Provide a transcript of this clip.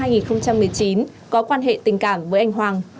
hải khai từ năm hai nghìn một mươi chín có quan hệ tình cảm với anh hoàng